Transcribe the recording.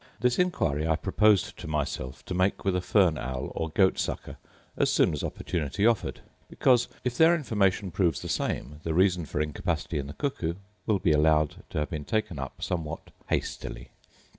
This inquiry I proposed to myself to make with a fern owl, or goat sucker, as soon as opportunity offered: because, if their information proves the same, the reason for incapacity in the cuckoo will be allowed to have been taken up somewhat hastily.